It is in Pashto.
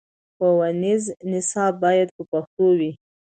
ښوونیز نصاب باید په پښتو وي.